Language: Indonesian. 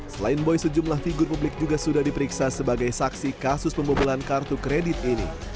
selain boy sejumlah figur publik juga sudah diperiksa sebagai saksi kasus pembobolan kartu kredit ini